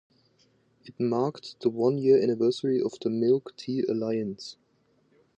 It marked the one year anniversary of the Milk Tea Alliance.